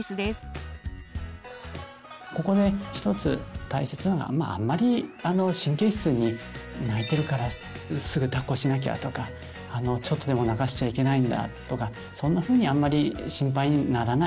ここで一つ大切なのはまああんまり神経質に泣いてるからすぐだっこしなきゃとかちょっとでも泣かしちゃいけないんだとかそんなふうにあんまり心配にならない。